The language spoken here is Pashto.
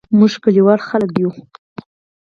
موږ کلیوال خلګ یو